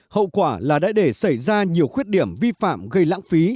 hậu quả là đã để xảy ra nhiều khuyết điểm vi phạm gây lãng phí